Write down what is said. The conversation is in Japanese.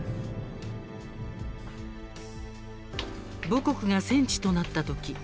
母国が戦地となったとき